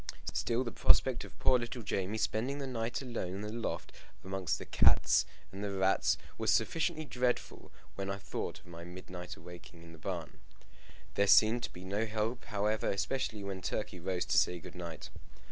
Still, the prospect of poor little Jamie spending the night alone in the loft amongst the cats and rats was sufficiently dreadful when I thought of my midnight awaking in the barn. There seemed to be no help, however, especially when Turkey rose to say good night.